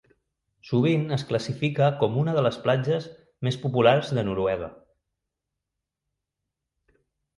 Sovint es classifica com una de les platges més populars de Noruega.